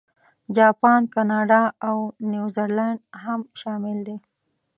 جاپان، کاناډا، او نیوزیلانډ هم شامل دي.